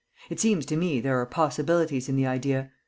It seems to me there are possibilities in the idea.